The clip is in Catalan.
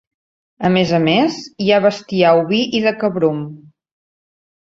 A més a més, hi ha bestiar oví i de cabrum.